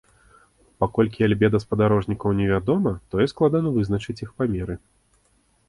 Паколькі альбеда спадарожнікаў невядома, тое складана вызначыць іх памеры.